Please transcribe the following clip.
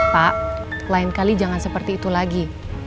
pak lain kali jangan seperti itu lagi